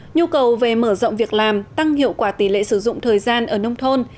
nhu cầu về mở rộng việc làm tăng hiệu quả tỷ lệ sử dụng thời gian ở nông thôn